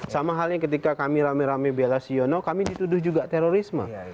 sama halnya ketika kami rame rame bela siono kami dituduh juga terorisme